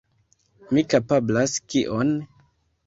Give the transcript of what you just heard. Mi kapablas kion?